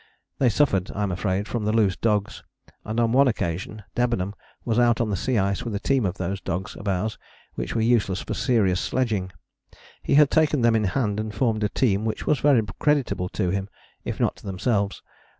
They suffered, I am afraid, from the loose dogs, and on one occasion Debenham was out on the sea ice with a team of those dogs of ours which were useless for serious sledging. He had taken them in hand and formed a team which was very creditable to him, if not to themselves.